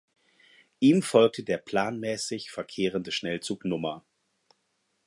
Ihm folgte der planmäßig verkehrende Schnellzug Nr.